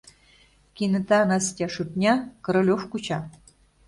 Кенета Настя шӱртня, Королёв куча.